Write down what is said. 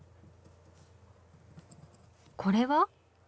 これは？